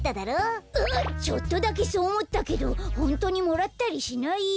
ちょっとだけそうおもったけどほんとにもらったりしないよ。